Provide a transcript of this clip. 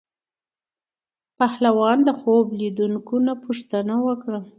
بهلول د خوب لیدونکي نه پوښتنه وکړه.